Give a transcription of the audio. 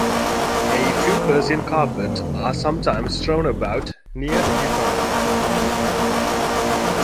A few Persian carpets are sometimes thrown about near the divan.